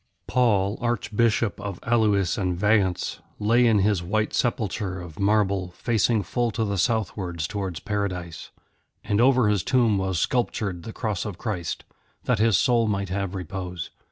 Paul, Archbishop of Alois and Vayence, lay in his white sepulchre of marble, facing full to the southwards towards Paradise. And over his tomb was sculptured the Cross of Christ, that his soul might have repose.